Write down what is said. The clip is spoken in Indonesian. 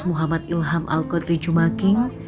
muhammad ilham al kodri jumaking